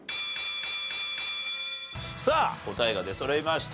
答えが出そろいました。